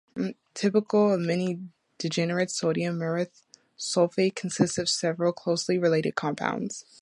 Typical of many detergents, sodium myreth sulfate consists of several closely related compounds.